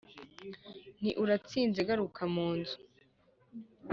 Nti : Urantsinze garuka mu nzu